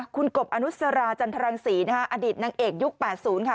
คุณกบอนุสราจันทรังศรีนะคะอดีตนางเอกยุค๘๐ค่ะ